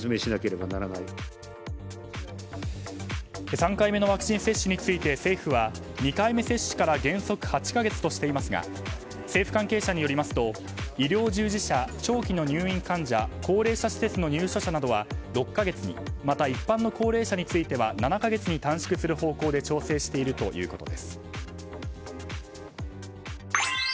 ３回目のワクチン接種について政府は２回目接種から原則８か月としていますが政府関係者によりますと医療従事者長期の入院患者高齢者施設の入所者などは６か月にまた一般の高齢者については７か月に短縮する方向で調整しているということです。